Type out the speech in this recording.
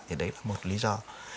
thì đấy là một lý do